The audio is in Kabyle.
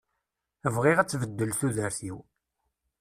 Bɣiɣ ad tbeddel tudert-iw.